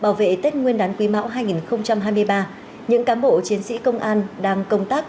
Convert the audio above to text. bảo vệ tết nguyên đán quý mão hai nghìn hai mươi ba những cán bộ chiến sĩ công an đang công tác